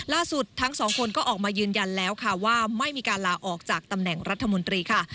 ล่าสุดทั้งสองคนก็ออกมายืนยันแล้วค่ะว่าไม่มีการลาออกจากตำแหน่งรัฐมนตรีค่ะ